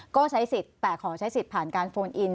ก็ใช้สิทธิ์แต่ขอใช้สิทธิ์ผ่านการโฟนอิน